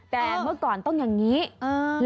แต่เมื่อก่อนต้องอย่างนี้